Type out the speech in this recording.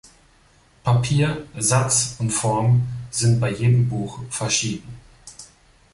Papier, Satz und Form sind bei jedem Buch verschieden.